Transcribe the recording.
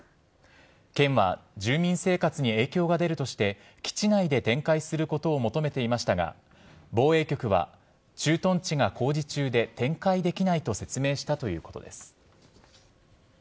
県は住民生活に影響が出るとして、基地内で展開することを求めていましたが、防衛局は、駐屯地が工事中で、展開できないと説明したということです。